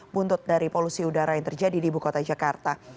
buntut dari polusi udara yang terjadi di ibu kota jakarta